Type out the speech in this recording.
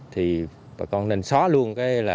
thì bà con nên xóa luôn